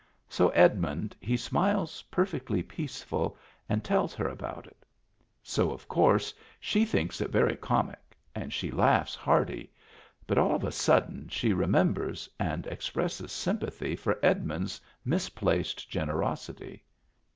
So Edmund he smiles perfectly peaceful and tells her about it So, of course, she thinks it very comic and she laughs hearty — but all of a sudden she remem bers and expresses sympathy for Edmund's mis placed generosity.